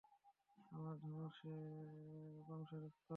আমার বংশের রক্ত।